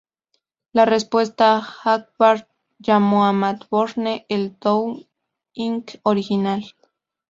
En respuesta Akbar llamó a Matt Borne, el Doink original.